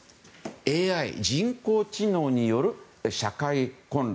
ＡＩ・人工知能による社会混乱。